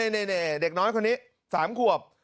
นี่เด็กน้อยคนนี้๓ขวบ